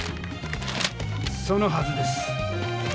そのはずです。